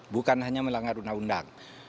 bukan hanya melanggar undang undang